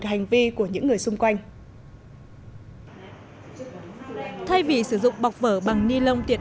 hành vi của những người xung quanh thay vì sử dụng bọc vở bằng ni lông tiệt